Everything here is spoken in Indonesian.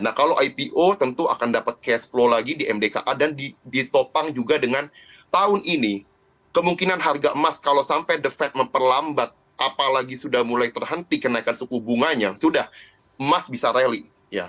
nah kalau ipo tentu akan dapat cash flow lagi di mdka dan ditopang juga dengan tahun ini kemungkinan harga emas kalau sampai the fed memperlambat apalagi sudah mulai terhenti kenaikan suku bunganya sudah emas bisa railing